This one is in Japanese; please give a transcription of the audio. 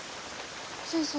先生。